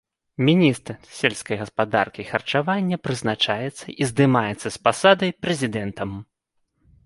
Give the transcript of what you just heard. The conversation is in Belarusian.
Міністр сельскай гаспадаркі і харчавання прызначаецца і здымаецца з пасады прэзідэнтам.